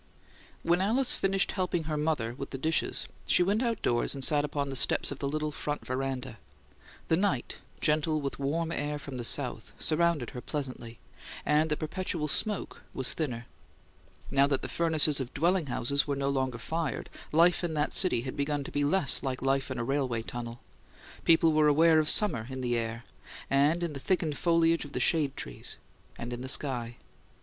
When Alice finished helping her mother with the dishes, she went outdoors and sat upon the steps of the little front veranda. The night, gentle with warm air from the south, surrounded her pleasantly, and the perpetual smoke was thinner. Now that the furnaces of dwelling houses were no longer fired, life in that city had begun to be less like life in a railway tunnel; people were aware of summer in the air, and in the thickened foliage of the shade trees, and in the sky.